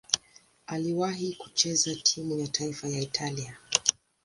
Aliwahi kucheza timu ya taifa ya Italia.